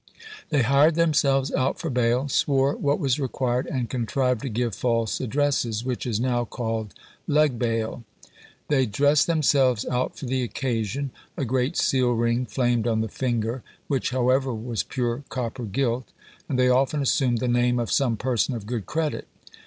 They hired themselves out for bail, swore what was required, and contrived to give false addresses, which is now called leg bail. They dressed themselves out for the occasion; a great seal ring flamed on the finger, which, however, was pure copper gilt, and they often assumed the name of some person of good credit.